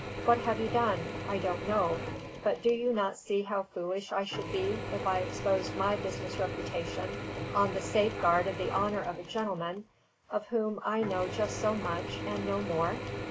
What have you done? I don't know. But do you not see how foolish I should be, if I exposed my business reputation on the safeguard of the honour of a gentleman of whom I know just so much and no more?